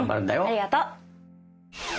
ありがと！